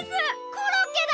コロッケだ！